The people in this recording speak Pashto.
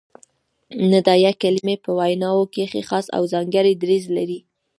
ندائیه کلیمې په ویناوو کښي خاص او ځانګړی دریځ لري.